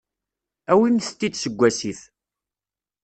Awimt-t-id seg wasif.